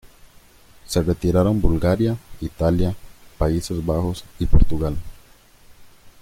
Se retiraron Bulgaria, Italia, Países Bajos y Portugal.